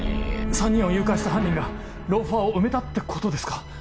３人を誘拐した犯人がローファーを埋めたってことですか⁉